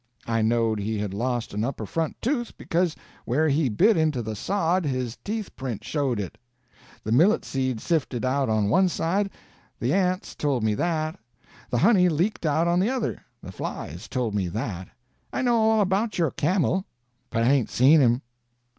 I knowed he had lost an upper front tooth because where he bit into the sod his teeth print showed it. The millet seed sifted out on one side—the ants told me that; the honey leaked out on the other—the flies told me that. I know all about your camel, but I hain't seen him."